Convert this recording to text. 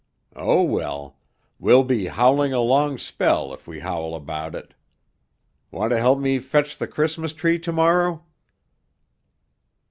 Oh well, we'll be howling a long spell if we howl about it. Want to help me fetch the Christmas tree tomorrow?"